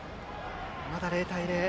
まだ０対０。